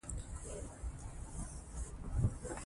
زه له حرامو شيانو او کارو څخه ځان ساتم.